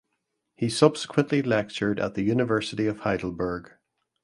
He subsequently lectured at the University of Heidelberg.